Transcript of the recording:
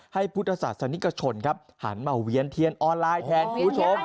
พุทธศาสนิกชนครับหันมาเวียนเทียนออนไลน์แทนคุณผู้ชม